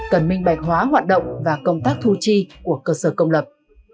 cần minh bạch hóa hoạt động và công tác thu chi của cơ sở công lập